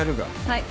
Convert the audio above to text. はい。